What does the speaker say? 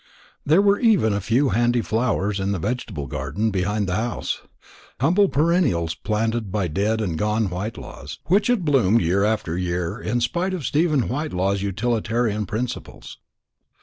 There were even a few hardy flowers in the vegetable garden behind the house, humble perennials planted by dead and gone Whitelaws, which had bloomed year after year in spite of Stephen's utilitarian principles.